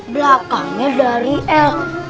belakangnya dari l